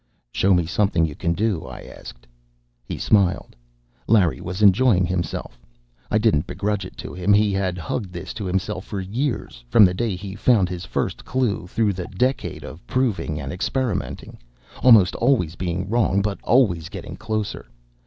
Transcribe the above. "Show me something you can do," I asked. He smiled. Larry was enjoying himself; I didn't begrudge it to him. He had hugged this to himself for years, from the day he found his first clue, through the decade of proving and experimenting, almost always being wrong, but always getting closer....